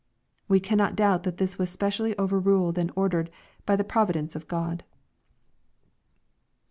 We cannot doubt that this was spe cially overruled and ordered by the providence of Q od. 15.